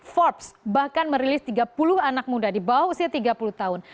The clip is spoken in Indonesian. forbes bahkan merilis tiga puluh anak muda di bawah usia tiga puluh tahun